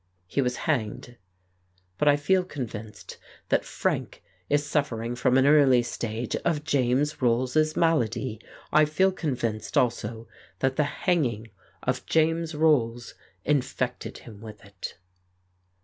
He was hanged. ... But I feel convinced that Frank is suffering from an early stage of James Rolls's malady; I feel convinced also that the hang ing of James Rolls infected him with it."